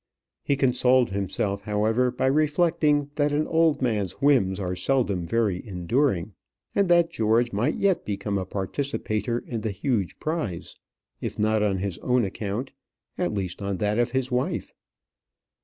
He consoled himself, however, by reflecting that an old man's whims are seldom very enduring, and that George might yet become a participator in the huge prize; if not on his own account, at least on that of his wife.